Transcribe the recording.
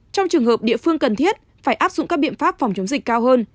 trong trường hợp địa phương cần thiết phải áp dụng các biện pháp phòng chống dịch cao hơn